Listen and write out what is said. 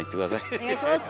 お願いします。